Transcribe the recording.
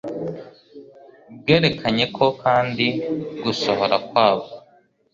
Bwerekanyeko kandi gusohora kwabwo